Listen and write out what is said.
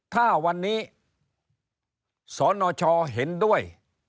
ถ้าวันนี้สนชเห็นด้วย